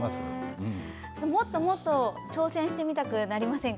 もっともっと挑戦してみたくなりませんか？